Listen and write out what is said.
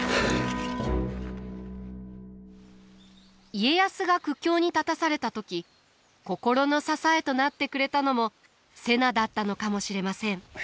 家康が苦境に立たされた時心の支えとなってくれたのも瀬名だったのかもしれません。